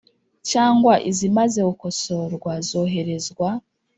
Cyangwa izimaze gukosorwa zoherezwa